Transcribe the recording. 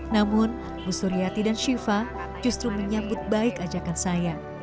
namun bu suryati dan syifa justru menyambut baik ajakan saya